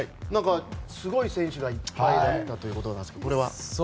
すごい選手がいっぱいいたということですが、これは？